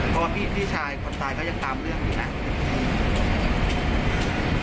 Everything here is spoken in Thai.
เพราะว่าพี่ชายคนตายก็ยังตามเรื่องอยู่นะ